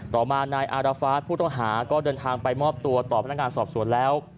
ต่อมานายอารฟาสผู้ต้องหาก็เดินทางไปมอบตัวต่อพนักงานสอบสวนแล้ว